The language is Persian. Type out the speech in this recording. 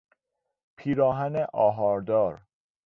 پیراهن آهاردار